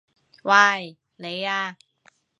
喂！你啊！